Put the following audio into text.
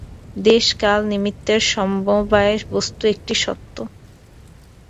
দেশ-কাল-নিমিত্তের সমবায়ে বস্তু একটি সত্ত্ব।